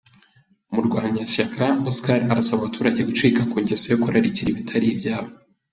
Murwanashyaka Oscar arasaba abaturage gucika ku ngeso yo kurarikira ibitari ibyabo.